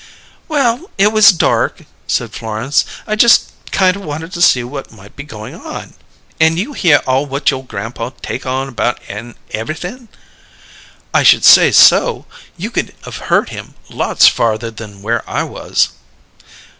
"Well, it was dark," said Florence. "I just kind of wanted to see what might be going on." "An' you hear all whut you' grampaw take on about an' ev'ything?" "I should say so! You could of heard him lots farther than where I was."